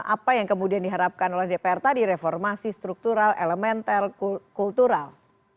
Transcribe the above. apa yang kemudian diharapkan oleh dpr tadi reformasi struktural elemental kultural